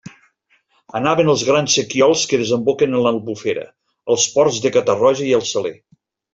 Anaven als grans sequiols que desemboquen en l'Albufera, als ports de Catarroja i el Saler.